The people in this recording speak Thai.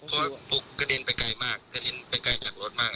เพราะฟลุ๊กกระเด็นไปไกลมากครับ